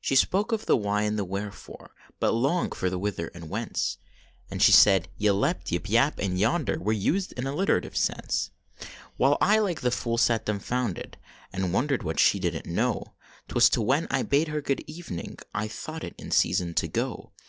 She spoke of the why and the wherefore, But longed for the whither and whence ; And she said yclept, yip, yap and yonder Were used in alliterative sense. Well I like a fool sat dumfounded, And wondered what she didn t know. Twas 10 when I bade her good evening, I thought it in season to go.